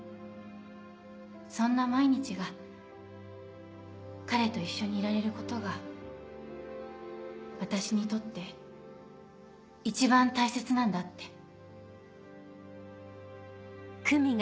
そんな毎日が彼と一緒にいられることが私にとって一番大切なんだって。